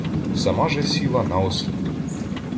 Сама же сіла на ослін.